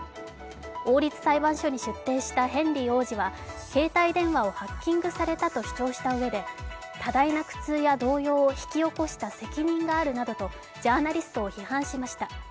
王立裁判所に出廷したヘンリー王子は携帯電話をハッキングされたと主張したうえで、多大な苦痛や動揺を引き起こした責任があるなどとジャーナリストを批判しました。